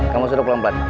kamu sudah pelan pelan